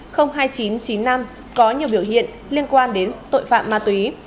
có nhiều biểu hiện liên quan đến tội phạm ma túy